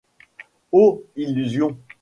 O illusions !